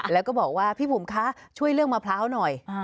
แล้วก็บอกว่าพี่บุ๋มคะช่วยเรื่องมะพร้าวหน่อย